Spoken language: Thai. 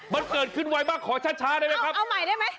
มันเกิดขึ้นไวมากขอช้าได้ไหมครับเอาใหม่ได้ไหม